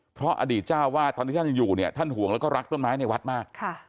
เพราะอดีตเจ้าวาดตอนที่ท่านยังอยู่เนี่ยท่านห่วงแล้วก็รักต้นไม้ในวัดมาก